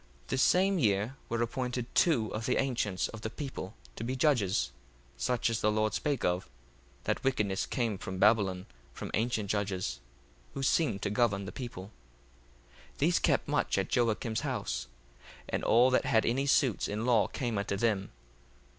1:5 The same year were appointed two of the ancients of the people to be judges, such as the Lord spake of, that wickedness came from Babylon from ancient judges, who seemed to govern the people. 1:6 These kept much at Joacim's house: and all that had any suits in law came unto them.